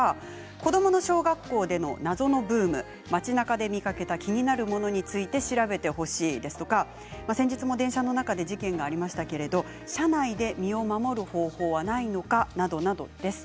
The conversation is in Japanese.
子どもの小学校での謎のブーム街なかで見かけた気になるものについて調べてほしいです、とか先日も電車の中で事件がありましたけれども車内で身を守る方法はないのか？などなどです。